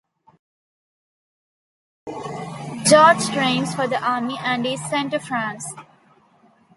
George trains for the army and is sent to France.